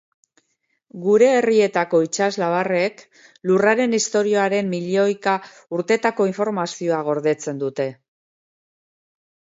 Gure herrietako itsaslabarrek Lurraren historiaren milioika urtetako informazioa gordetzen dute.